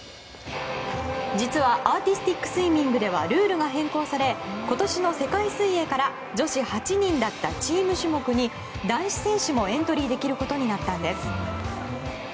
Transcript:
実は、アーティスティックスイミングではルールが変更され今年の世界水泳から女子８人だったチーム種目に、男子選手もエントリーできることになったんです。